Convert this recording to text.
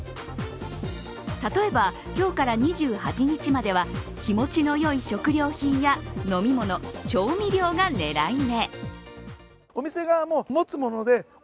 例えば、今日から２８日までは日持ちのよい食料品や飲み物、調味料が狙い目。